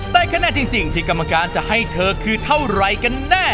แต่คะแนนจริงที่กรรมการจะให้เธอคือเท่าไรกันแน่